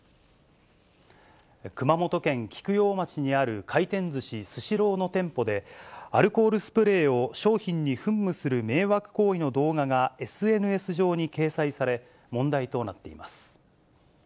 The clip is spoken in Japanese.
熊本県菊陽町にある回転ずしスシローの店舗で、アルコールスプレーを商品に噴霧する迷惑行為の動画が、ＳＮＳ上に掲載され、問題となっています。